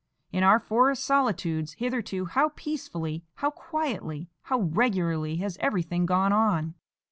In our forest solitudes hitherto how peacefully, how quietly, how regularly has everything gone on!